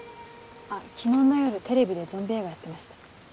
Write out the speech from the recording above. あっ昨日の夜テレビでゾンビ映画やってました。